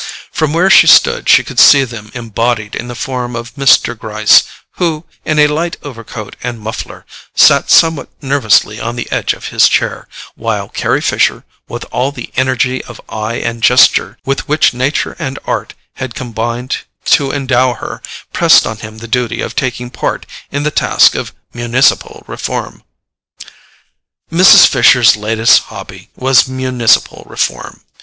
From where she stood she could see them embodied in the form of Mr. Gryce, who, in a light overcoat and muffler, sat somewhat nervously on the edge of his chair, while Carry Fisher, with all the energy of eye and gesture with which nature and art had combined to endow her, pressed on him the duty of taking part in the task of municipal reform. Mrs. Fisher's latest hobby was municipal reform.